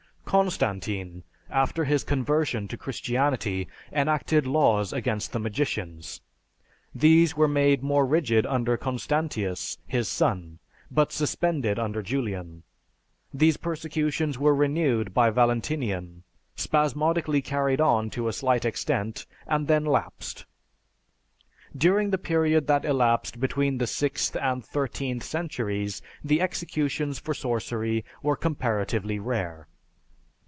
_) Constantine, after his conversion to Christianity, enacted laws against the magicians. These were made more rigid under Constantius, his son, but suspended under Julian. These persecutions were renewed by Valentinian, spasmodically carried on to a slight extent, and then lapsed. During the period that elapsed between the sixth and thirteenth centuries the executions for sorcery were comparatively rare.